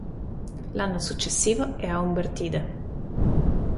L'anno successivo è a Umbertide.